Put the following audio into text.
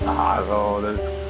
そうですか。